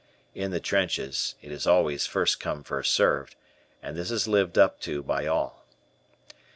In the trenches, it is always "first come, first served," and this is lived up to by all.